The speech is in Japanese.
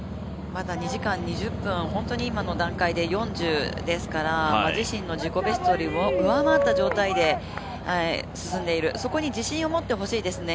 まだ２時間２０分今の段階で４０ですから自身の自己ベストを上回った状態で進んでいるそこに自信を持ってほしいですよね。